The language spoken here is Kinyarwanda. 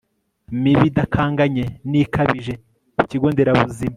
mibi idakanganye ni kabije ku kigo nderabuzima